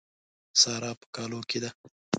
سارا په کالو کې ده.